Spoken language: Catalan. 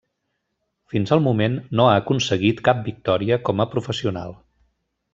Fins al moment no ha aconseguit cap victòria com a professional.